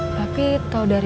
tapi tau dari